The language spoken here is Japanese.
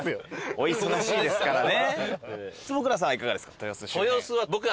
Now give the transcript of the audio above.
お忙しいですからね。